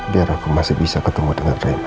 biar aku masih bisa ketemu dengan mereka